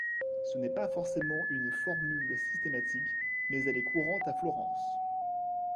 Ce n’est pas forcément une formule systématique, mais elle est courante à Florence.